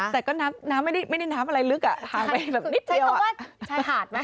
แต่ก็น้ำไม่ได้น้ำอะไรลึกอ่ะทางไปแบบนิดเดียวอ่ะ